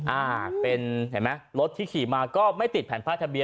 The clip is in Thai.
อ่าเป็นเห็นไหมรถที่ขี่มาก็ไม่ติดแผ่นป้ายทะเบีย